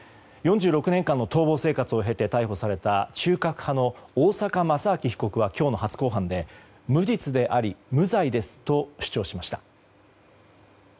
４６年間の逃亡生活を経て逮捕された中核派の大坂正明被告は今日の初公判で、無実であり無罪ですと主張しました。